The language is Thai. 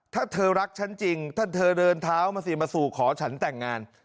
ถ้าเธอรักฉันจริงถ้าเธอเดินเท้ามาสิมาสู่ขอฉันแต่งงาน